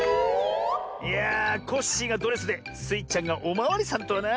いやコッシーがドレスでスイちゃんがおまわりさんとはな。